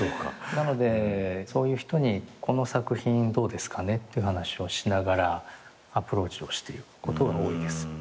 なのでそういう人にこの作品どうですかねっていう話をしながらアプローチをしていくことが多いです。